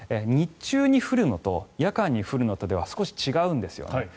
日中に降るのと夜間に降るのとでは少し違うんですよね。